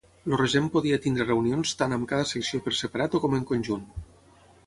El regent podia tenir reunions tant amb cada secció per separat o com en conjunt.